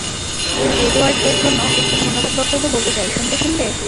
এই এডওয়ার্ড এর জন্য একটি ধন্যবাদ বক্তব্য বলতে চাই, শুনবে শুনবে?